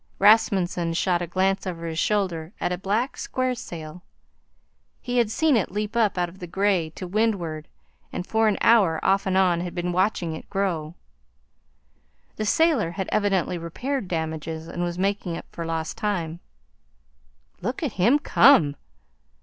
Rasmunsen shot a glance over his shoulder at a black square sail. He had seen it leap up out of the grey to windward, and for an hour, off and on, had been watching it grow. The sailor had evidently repaired damages and was making up for lost time. "Look at him come!"